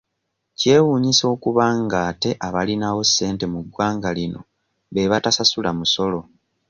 Kyewuunyisa okuba nga ate abalinawo ssente mu ggwanga lino be batasasula musolo.